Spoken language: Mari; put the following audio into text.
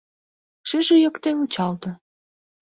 Шыже йокте вучалте.